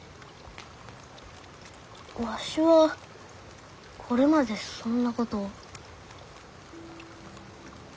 わしはこれまでそんなこと。